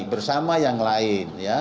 bersama yang lain ya